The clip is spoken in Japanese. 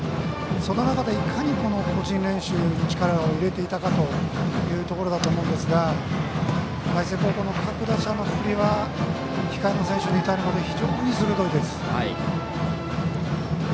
その中で、いかに個人練習に力を入れていたかということだと思うんですが海星高校の各打者の振りは控えの選手にいたるまで非常に鋭いです。